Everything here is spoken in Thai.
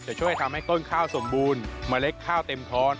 ช่วยทำให้ต้นข้าวสมบูรณ์เมล็ดข้าวเต็มท้อน